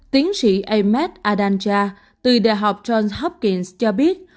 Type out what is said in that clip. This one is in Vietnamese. tiến sĩ ahmed adanja từ đại học johns hopkins cho biết